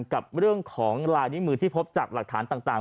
กับเรื่องของลายนิ้วมือที่พบจากหลักฐานต่าง